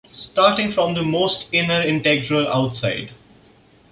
Starting from the most inner integral outside.